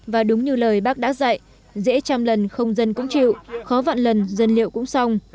và đúng như lời bác đã dạy dễ trăm lần không dân cũng chịu khó vạn lần dân liệu cũng xong